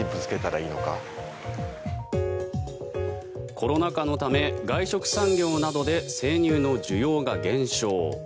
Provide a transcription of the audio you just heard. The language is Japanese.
コロナ禍のため外食産業などで生乳の需要が減少。